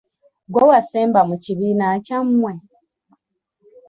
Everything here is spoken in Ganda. Ggwe wasemba mu kibiina kyammwe?